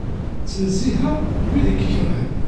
Ttnezziheɣ deg wid i y-ikeṛhen.